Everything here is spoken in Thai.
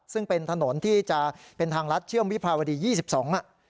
ซึ่งเป็นถนนที่จะเป็นทางลัดเชื่อมวิภาวดี๒๒อ่ะ